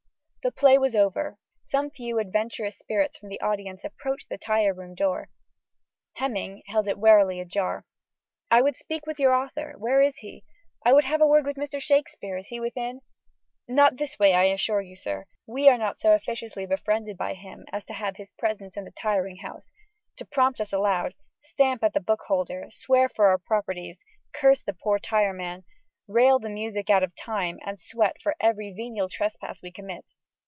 The play was over. Some few adventurous spirits from the audience approached the tire room door: Heminge held it warily ajar. "I would speak with your author: where is he?" "I would have a word with Mr. Shakespeare: is he within?" "Not this way, I assure you, sir: we are not so officiously befriended by him, as to have his presence in the tiring house, to prompt us aloud, stamp at the book holder, swear for our properties, curse the poor tireman, rail the music out of time, and sweat for every venial trespass we commit."